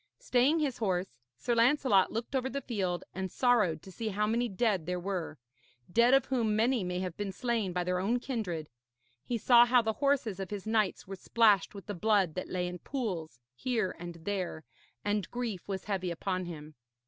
Staying his horse, Sir Lancelot looked over the field, and sorrowed to see how many dead there were dead of whom many may have been slain by their own kindred. He saw how the horses of his knights were splashed with the blood that lay in pools here and there, and grief was heavy upon him.